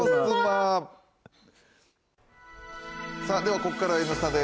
ここからは「Ｎスタ」です。